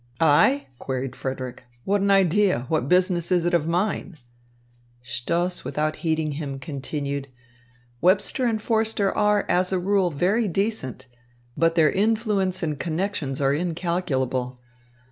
"I?" queried Frederick. "What an idea! What business is it of mine?" Stoss, without heeding him, continued: "Webster and Forster are, as a rule, very decent. But their influence and connections are incalculable.